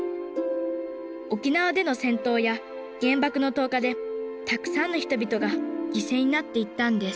沖縄での戦闘や原爆の投下でたくさんの人々が犠牲になっていったんです